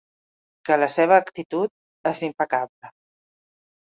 Que la seva actitud és impecable.